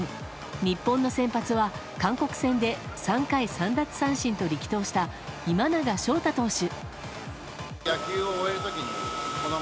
日本の先発は韓国戦で３回３奪三振と力投した今永昇太投手。